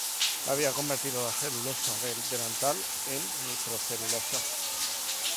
Había convertido la celulosa del delantal en nitrocelulosa.